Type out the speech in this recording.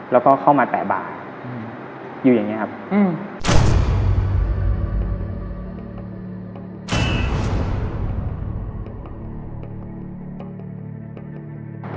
แล้วก็เข้ามาแตะบ่าอืมอยู่อย่างเงี้ครับอืม